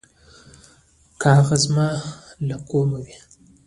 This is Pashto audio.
که هغه زما له قومه وي.